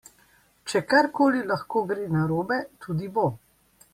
Če karkoli lahko gre narobe, tudi bo.